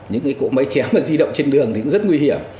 những cái cụ máy chém mà di động trên đường thì cũng rất nguy hiểm